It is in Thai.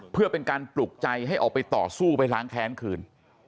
เพื่อเป็นการปลุกใจให้ออกไปต่อสู้ไปล้างแค้นคืน